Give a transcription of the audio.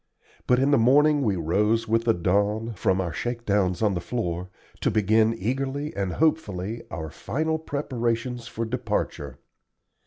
But in the morning we rose with the dawn, from our shakedowns on the floor, to begin eagerly and hopefully our final preparations for departure.